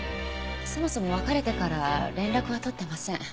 そもそも別れてから連絡は取っていません。